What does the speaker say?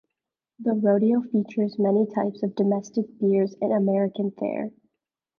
The rodeo features many types of domestic beers and American fare.